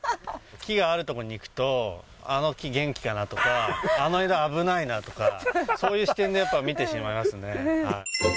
木がある所に行くと、あの木、元気かなとか、あの枝危ないなとか、そういう視点でやっぱり見てしまいますね。